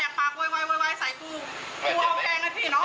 นะกูไม่เคยดีกว่าถ้ากูว่ามึงกูไม่ให้มึงซื้อหรอก